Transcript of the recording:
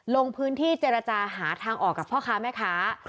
ลงพื้นที่เจรจาหาทางออกกับพ่อค้าแม่ค้า